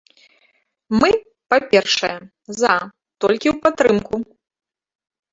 Мы, па-першае, за, толькі ў падтрымку.